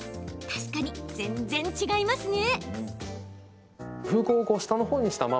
確かに全然違いますね。